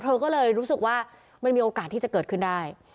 เธอก็เลยรู้สึกว่ามันมีโอกาสที่จะเกิดขึ้นได้